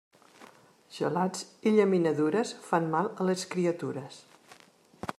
Gelats i llaminadures fan mal a les criatures.